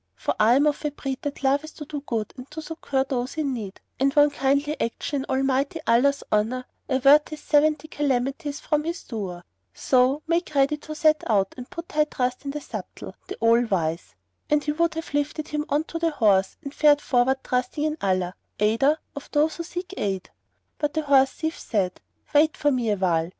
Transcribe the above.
For I am of a breed that loveth to do good and to succour those in need; and one kindly action in Almighty Allah's honour averteth seventy calamities from its doer. So make ready to set out and put thy trust in the Subtle, the All Wise." And he would have lifted him on to the horse and fared forward trusting in Allah Aider of those who seek aid, but the horse thief said, "Wait for me awhile.